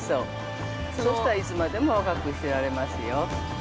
そうしたら、いつまでも生きられますよって。